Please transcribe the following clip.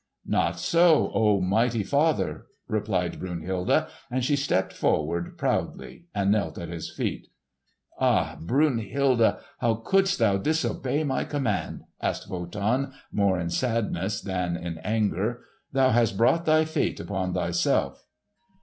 "Not so, O mighty father!" replied Brunhilde; and she stepped forward proudly and knelt at his feet. "Ah, Brunhilde! how couldst thou disobey my command?" asked Wotan more in sadness than in anger. "Thou hast brought thy fate upon thyself."